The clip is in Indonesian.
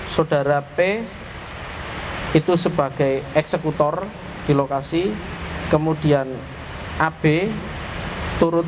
pertama ksa dan pid